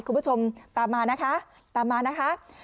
คุณผู้ชมตามมานะคะตามมานะคะ